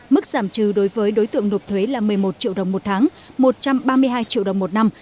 mức giảm trừ đối với đối tượng nộp thuế là một mươi một triệu đồng một tháng một trăm ba mươi hai triệu đồng một năm